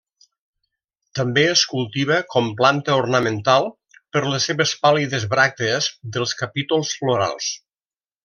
També es cultiva com planta ornamental per les seves pàl·lides bràctees dels capítols florals.